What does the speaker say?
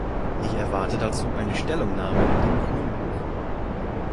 Ich erwarte dazu eine Stellungnahme in dem Grünbuch.